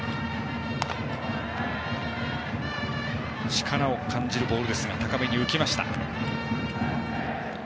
力を感じるボールでしたが高めに浮きました。